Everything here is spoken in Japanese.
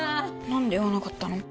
・何で言わなかったの？